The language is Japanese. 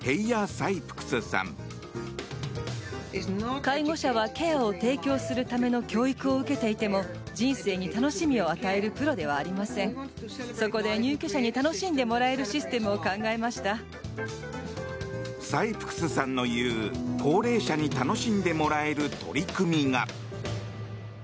サイプクスさんの言う高齢者に楽しんでもらえる取り組みが。